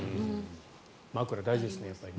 枕、大事ですね。